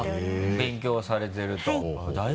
勉強されてると。